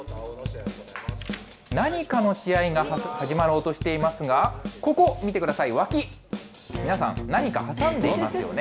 何かの試合が始まろうとしていますが、ここ見てください、脇、皆さん、何か挟んでいますよね。